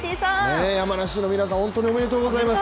山梨の皆さん、本当におめでとうございます！